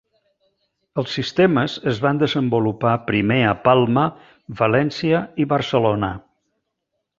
Els sistemes es van desenvolupar primer a Palma, València i Barcelona.